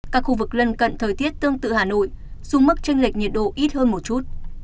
các khu vực lân cận thời tiết tương tự hà nội xuống mức tranh lệch nhiệt độ ít hơn một chút